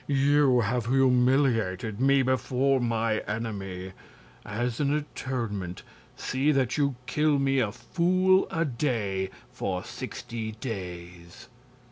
"You have humiliated me before my enemy. As an atonement see that you kill me a fool a day for sixty days."